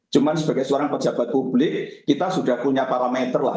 cuma sebagai seorang pejabat publik kita sudah punya parameter lah